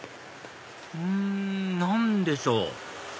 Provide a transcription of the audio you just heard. うん何でしょう？